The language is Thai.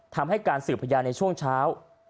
ทำให้การสืบพยานในช่วงเช้า